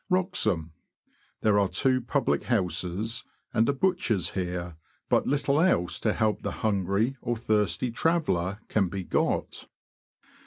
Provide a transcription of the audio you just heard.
Wroxham. — There are two public houses and a butcher's here ; but little else to help the hungry or thirsty traveller can be got.